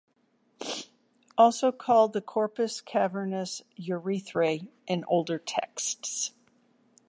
Also called the corpus cavernous urethrae in older texts.